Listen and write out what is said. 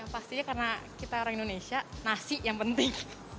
pastinya karena kita orang indonesia nasi yang penting